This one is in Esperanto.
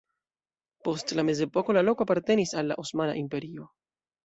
Post la mezepoko la loko apartenis al la Osmana Imperio.